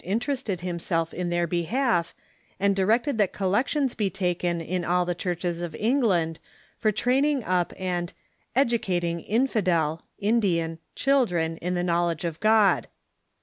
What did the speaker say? interested himself in their behalf, and directed that collections be taken in all the churches of England for training up and "educating infidel (Indian) children in the knowledge of God."